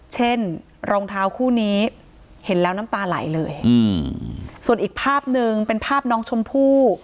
เช่นรองเท้าคู่นี้เห็นแล้วน้ำตาไหลเลยส่วนอีกภาพหนึ่งเป็นภาพน้องชมพู่